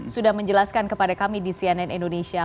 sudah menjelaskan kepada kami di cnn indonesia